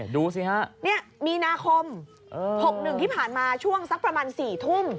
ดูสิฮะมีนาคม๖๑ที่ผ่านมาช่วงสักประมาณ๔ทุ่ม